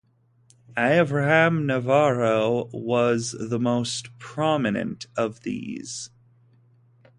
Avraham Navarro was the most prominent of these.